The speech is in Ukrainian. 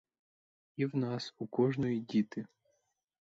І в нас у кожної діти.